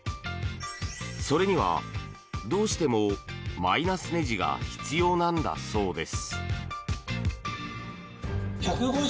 それには、どうしてもマイナスねじが必要なんだそうです。